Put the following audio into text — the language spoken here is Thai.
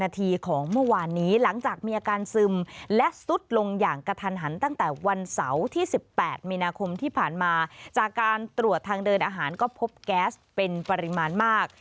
ตรวจทางเดินอาหารก็พบแก๊สเป็นปริมาณมาก